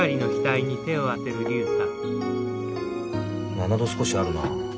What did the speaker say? ７度少しあるなあ。